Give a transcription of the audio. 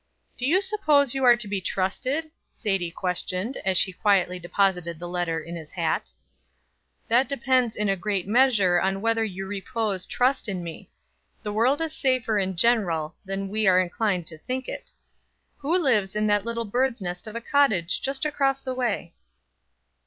"Do you suppose you are to be trusted?" Sadie questioned, as she quietly deposited the letter in his hat. "That depends in a great measure on whether you repose trust in me. The world is safer in general than we are inclined to think it. Who lives in that little birdsnest of a cottage just across the way?"